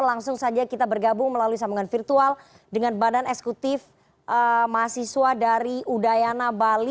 langsung saja kita bergabung melalui sambungan virtual dengan badan eksekutif mahasiswa dari udayana bali